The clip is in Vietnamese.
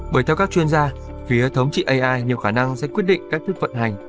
bởi theo các chuyên gia phía thống trị ai nhiều khả năng sẽ quyết định cách thức vận hành